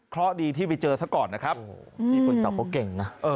เค้าดีที่ไปเจอซะก่อนนะครับอืมตัวเขาเก่งน่ะเออ